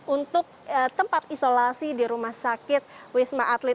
untuk tempat isolasi di rumah sakit wisma atlet